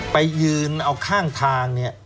ไปยืนเอาข้างทางเนี่ย